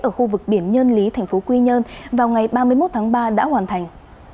ở khu vực biển nhân lý thành phố quy nhơn vào ngày ba mươi một tháng ba đã hoàn thành